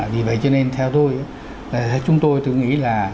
vì vậy cho nên theo tôi là chúng tôi tự nghĩ là